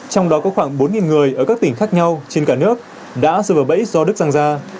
trong đó có khoảng bốn người ở các tỉnh khác nhau trên cả nước đã rơi vào bẫy do đức răng ra